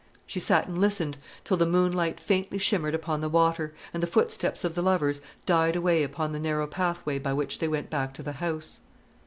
She sat and listened till the moonlight faintly shimmered upon the water, and the footsteps of the lovers died away upon the narrow pathway by which they went back to the house.